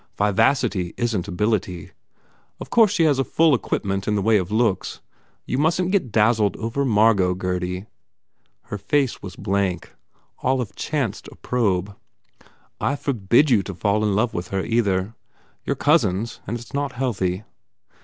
Vivacity isn t ability. Of course she has a full equipment in the way of looks. You mustn t get dazzled over Margot, Gurdy." His face was blank. Olive chanced a probe. "I forbid you to fall in love with her, either. You re cousins and it s not healthy."